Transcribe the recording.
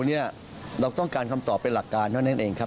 วันนี้เราต้องการคำตอบเป็นหลักการเท่านั้นเองครับ